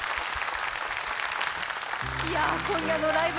今夜の「ライブ！